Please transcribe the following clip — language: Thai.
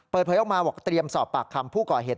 เปิดเผยออกมาบอกเตรียมสอบปากคำผู้ก่อเหตุ